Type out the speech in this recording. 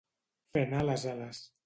Fer anar les ales.